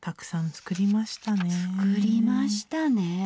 作りましたね。